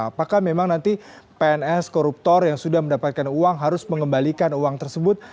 apakah memang nanti pns koruptor yang sudah mendapatkan uang harus mengembalikan uang tersebut